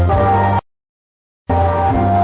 เพลง